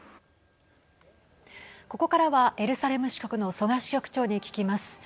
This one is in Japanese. ここからは、エルサレム支局の曽我支局長に聞きます。